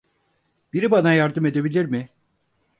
Biri bana yardım edebilir mi?